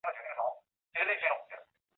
李圭至死大骂不绝。